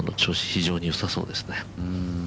非常に良さそうですね。